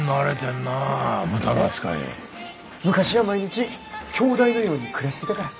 昔は毎日兄弟のように暮らしてたから。